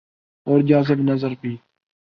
اورجاذب نظربھی۔